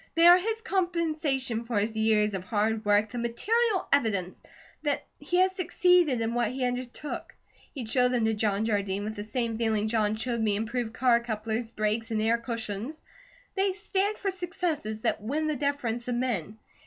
They are his compensation for his years of hard work, the material evidence that he has succeeded in what he undertook. He'd show them to John Jardine with the same feeling John showed me improved car couplers, brakes, and air cushions. They stand for successes that win the deference of men.